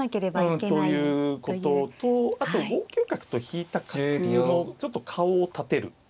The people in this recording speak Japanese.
うんということとあと５九角と引いた角のちょっと顔を立てる。